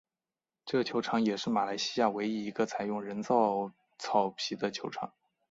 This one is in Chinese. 这球场也是马来西亚唯一一个采用人造草皮的球场。